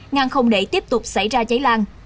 ngang không để tiếp tục xảy ra cháy lan